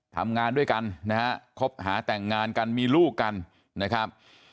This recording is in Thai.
ทำงานด้วยกันนะฮะคบหาแต่งงานกันมีลูกกันนะครับ